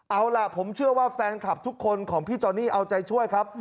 เอาล่ะผมเชื่อว่าแฟนคลับทุกคนของพี่จอนี่เอาใจช่วยครับ